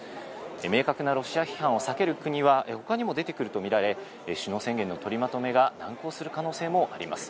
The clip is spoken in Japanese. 明確なロシア批判を避ける国は他にも出てくるとみられ、首脳宣言の取りまとめが難航する可能性もあります。